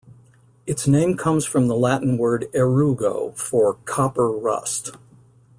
Its name comes from the Latin word "aerugo" for "copper rust".